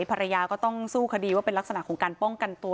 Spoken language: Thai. ภรรยาก็ต้องสู้คดีว่าเป็นลักษณะของการป้องกันตัว